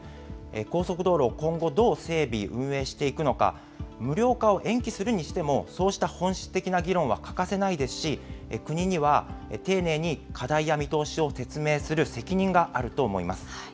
高速道路を今後どう整備、運営していくのか、無料化を延期するにしても、そうした本質的な議論は欠かせないですし、国には丁寧に課題や見通しを説明する責任があると思います。